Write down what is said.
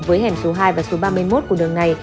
với hẻm số hai và số ba mươi một của đường này